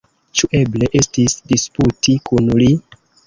Ĉu eble estis disputi kun li?